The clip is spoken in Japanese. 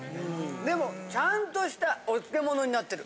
でもちゃんとしたお漬物になってる。